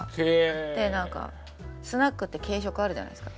で何かスナックって軽食あるじゃないですか。